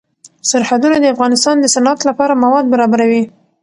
سرحدونه د افغانستان د صنعت لپاره مواد برابروي.